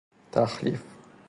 تخلیف